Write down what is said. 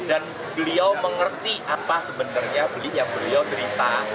dan beliau mengerti apa sebenarnya belinya beliau terlipat